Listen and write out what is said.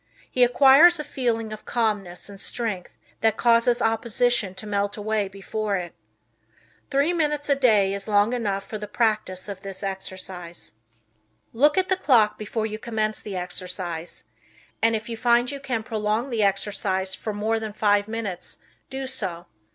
He acquires a feeling of calmness and strength that causes opposition to melt away before it. Three minutes a day is long enough for the practice of this exercise. Look at the clock before you commence the exercise, and if you find you can prolong the exercise for more than five minutes do so.